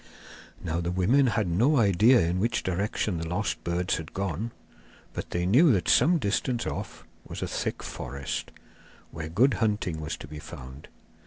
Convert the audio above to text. Now the women had no idea in which direction the lost birds had gone, but they knew that some distance off was a thick forest, where good hunting was to be found.